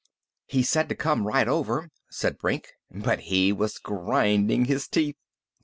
"He said to come right over," said Brink. "But he was grinding his teeth."